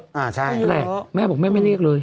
อ่าใช่ต้องเยอะและแม่บอกแม่ไม่เรียกเลย